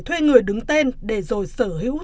thuê người đứng tên để rồi sở hữu